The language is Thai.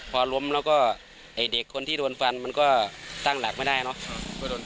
พอล้มแล้วก็ไอ้เด็กคนที่โดนฟันมันก็ตั้งหลักไม่ได้เนอะ